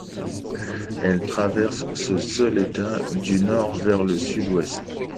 Elle traverse ce seul État, du Nord vers le Sud-Ouest.